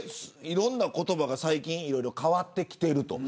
いろんな言葉が最近いろいろ変わってきていると。